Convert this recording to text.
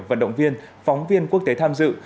vận động viên phóng viên quốc tế tham dự